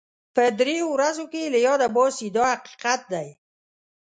په دریو ورځو کې یې له یاده باسي دا حقیقت دی.